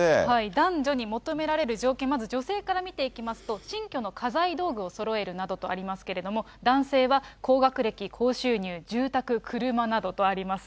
男女に求められる条件、まず女性から見ていきますと、新居の家財道具をそろえるなどとありますけれども、男性は高学歴、高収入、住宅、車などとあります。